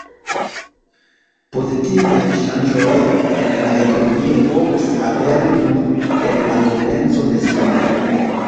Pozitivaj ŝanĝoj en la ekonomio povos aperi nur en la komenco de somero.